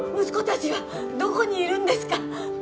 息子たちはどこにいるんですか！？